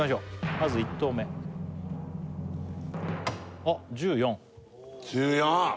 まず１投目あっ１４１４！